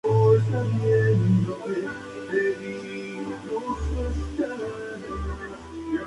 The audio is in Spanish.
Nadie resultó herido en el ataque.